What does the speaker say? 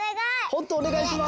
ホントおねがいします！